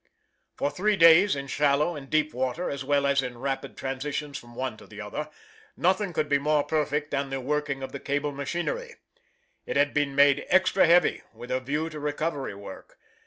For three days in shallow and deep water, as well as in rapid transitions from one to the other, nothing could be more perfect than the working of the cable machinery. It had been made extra heavy with a view to recovery work.